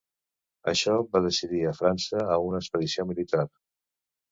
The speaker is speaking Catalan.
Això va decidir a França a una expedició militar.